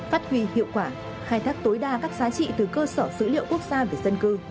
phát huy hiệu quả khai thác tối đa các giá trị từ cơ sở dữ liệu quốc gia về dân cư